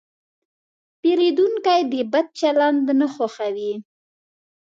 پیرودونکی د بد چلند نه خوښوي.